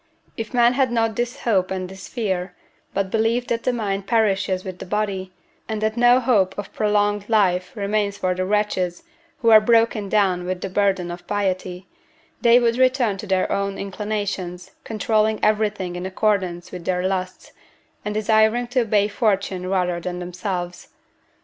If men had not this hope and this fear, but believed that the mind perishes with the body, and that no hope of prolonged life remains for the wretches who are broken down with the burden of piety, they would return to their own inclinations, controlling everything in accordance with their lusts, and desiring to obey fortune rather than themselves.